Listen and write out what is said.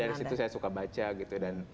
dari situ saya suka baca gitu